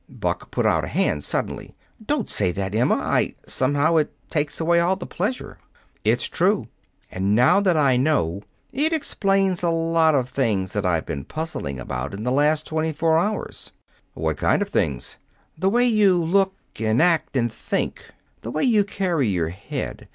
Buck put out a hand suddenly. "Don't say that, Emma. I somehow it takes away all the pleasure." "It's true. And now that I know, it explains a lot of things that I've been puzzling about in the last twenty four hours." "What kind of things?" "The way you look and act and think. The way you carry your head.